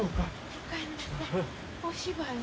お芝居は？